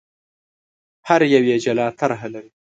هر یو یې جلا طرح لري.